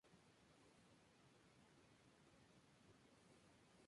Es el primer videojuego basado en los dibujos animados de Danger Mouse.